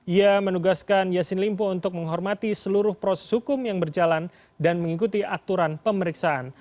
ia menugaskan yassin limpo untuk menghormati seluruh proses hukum yang berjalan dan mengikuti aturan pemeriksaan